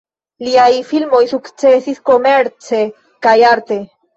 Liaj filmoj sukcesis komerce kaj arte.